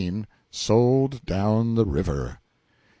Sold Down the River.